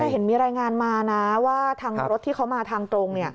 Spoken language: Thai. แต่เห็นมีรายงานมานะว่าทางรถที่เขามาทางตรง